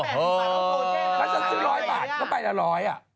ก้าจากซื้อ๑๐๐บาทก็ไปแล้ว๑๐๐